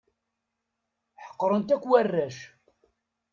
Ḥeqren-t akk warrac.